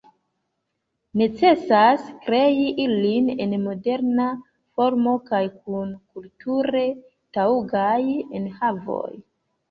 Necesas krei ilin en moderna formo kaj kun kulture taŭgaj enhavoj.